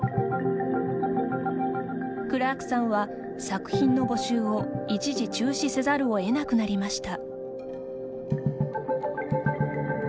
クラークさんは、作品の募集を一時中止せざるを得なくなりました。